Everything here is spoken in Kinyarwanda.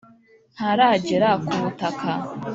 ntaragera ku butaka.